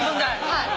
はい。